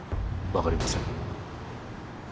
わかりません。